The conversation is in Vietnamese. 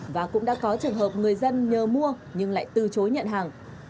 và cũng đã có trường hợp người dân nhờ mua nhưng lại từ chối nhận hàng